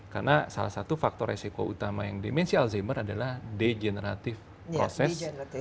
karena salah satu faktor resiko utama yang demensi alzheimer adalah degenerative process